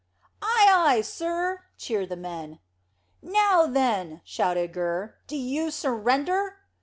"Ay, ay, sir!" cheered the men. "Now, then," shouted Gurr, "do you surrender?"